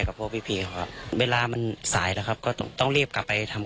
ครับประกอบความสำเร็จของพวกเครื่องดาร์